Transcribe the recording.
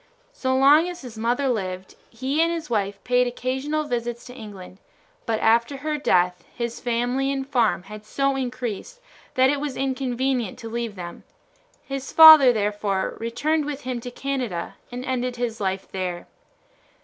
So long as his mother lived he and his wife paid occasional visits to England, but after her death his family and farm had so increased that it was inconvenient to leave them; his father therefore returned with him to Canada and ended his life there.